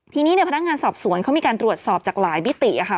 ทีนี้เนี่ยพนักงานสอบสวนเขามีการตรวจสอบจากหลายมิติค่ะ